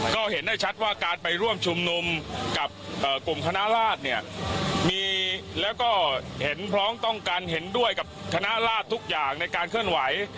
ก็เห็นได้ชัดว่าการไปร่วมชุมนุมกับกลุ่มคณะราชเนี่ยมีแล้วก็เห็นพร้อมต้องการเห็นด้วยกับคณะราชทุกอย่างในการเคลื่อนไหว